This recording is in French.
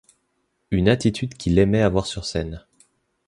Une attitude qu’il aimait avoir sur scène.